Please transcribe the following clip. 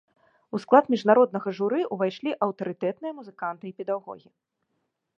У склад міжнароднага журы ўвайшлі аўтарытэтныя музыканты і педагогі.